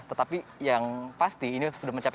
tetapi yang pasti ini sudah mencapai